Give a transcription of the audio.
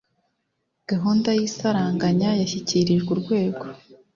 gahunda y isaranganya yashyikirijwe Urwego